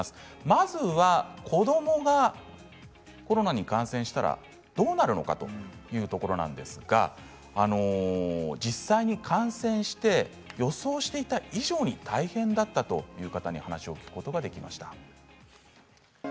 まずは、子どもがコロナに感染したらどうなるのかというところなんですが実際に感染して予想していた以上に大変だったという方に話を聞くことができました。